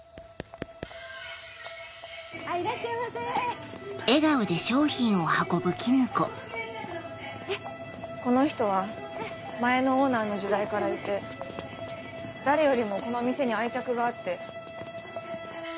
いらっしゃいませこの人は前のオーナーの時代からいて誰よりもこの店に愛着があって。